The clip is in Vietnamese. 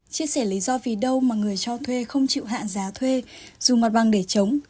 chia sẻ lý do vì đâu mà người cho thuê không chịu hạ giá thuê dù mặt bằng để chống